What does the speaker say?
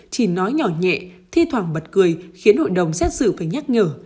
chỉ nói nhỏ nhẹ thi thoảng bật cười khiến hội đồng xét xử phải nhắc nhở